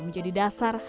safi sudah tidak mudah